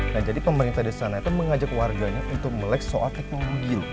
nah jadi pemerintah di sana itu mengajak warganya untuk melek soal teknologi